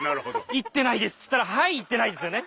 「行ってないです」っつったら「はい行ってないですよね」